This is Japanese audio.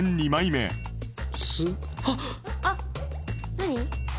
何？